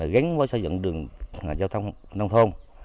gánh với xây dựng đường giao thông nông thôn